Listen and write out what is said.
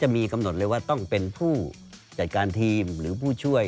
มีกำหนดเลยว่าต้องเป็นผู้จัดการทีมหรือผู้ช่วย